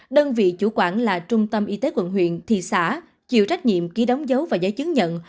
đơn vị chủ quản là trung tâm y tế quận huyện thị xã chịu trách nhiệm ký đóng dấu và giấy chứng nhận